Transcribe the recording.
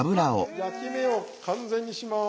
焼き目を完全にします。